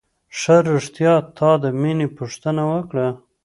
ښه رښتيا تا د مينې پوښتنه وکړه.